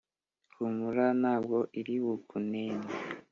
humura ntabwo iri bukunene